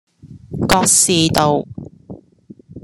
覺士道